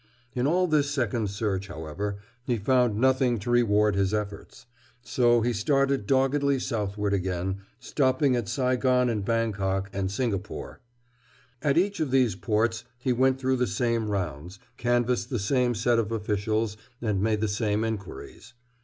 In all this second search, however, he found nothing to reward his efforts. So he started doggedly southward again, stopping at Saigon and Bangkok and Singapore. At each of these ports he went through the same rounds, canvassed the same set of officials, and made the same inquiries.